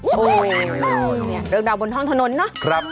โอ้โฮเรื่องดาวบนห้องถนนเนอะครับ